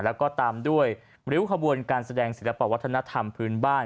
แล้วก็ตามด้วยริ้วขบวนการแสดงศิลปะวัฒนธรรมพื้นบ้าน